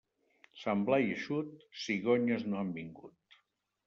Sant Blai eixut, cigonyes no han vingut.